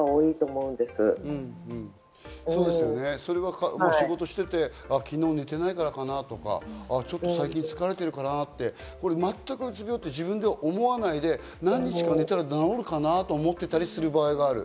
そうですよね、仕事をしていて、昨日寝てないからかなぁとか、ちょっと最近疲れてるかなって、全くうつ病って自分では思わないで、何日か寝たら治るかなと思っていたりする場合がある。